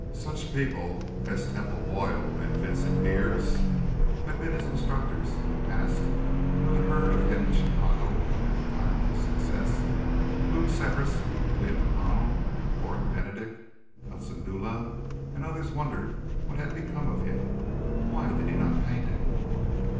Such people as Temple Boyle and Vincent Beers, who had been his instructors in the past and who had heard of him in Chicago at the time of his success, Luke Severas, William McConnell, Oren Benedict, Hudson Dula, and others wondered what had become of him. Why did he not paint any more?